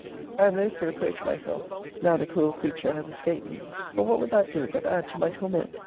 I am loth to reproach myself, now the cruel creature has escaped me; For what would that do, but add to my torment?